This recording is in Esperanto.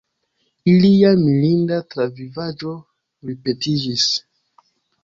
Ilia mirinda travivaĵo ripetiĝis.